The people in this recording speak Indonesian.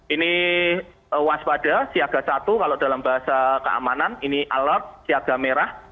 ini waspada siaga satu kalau dalam bahasa keamanan ini alat siaga merah